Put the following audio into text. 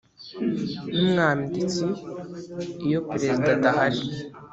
n umwanditsi iyo perezida adahari